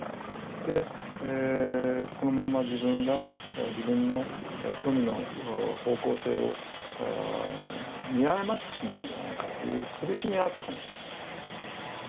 でこのまま自分が自分の興味の方向性を見誤ってしまうんではないかという苦しみはあったかもしれない。